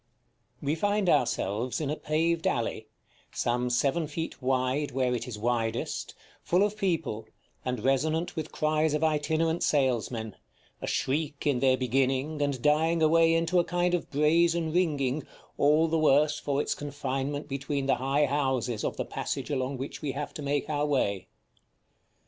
§ XII. We find ourselves in a paved alley, some seven feet wide where it is widest, full of people, and resonant with cries of itinerant salesmen, a shriek in their beginning, and dying away into a kind of brazen ringing, all the worse for its confinement between the high houses of the passage along which we have to make our way.